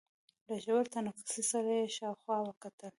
له ژور تنفس سره يې شاوخوا وکتل.